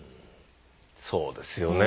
そうですよね。